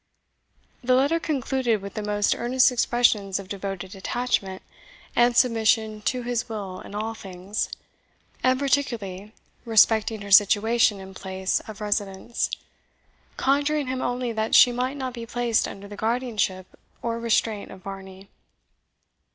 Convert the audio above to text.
The letter concluded with the most earnest expressions of devoted attachment and submission to his will in all things, and particularly respecting her situation and place of residence, conjuring him only that she might not be placed under the guardianship or restraint of Varney.